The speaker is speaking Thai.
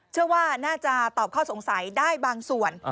เชื่อว่าน่าจะตอบข้อสงสัยได้บางส่วน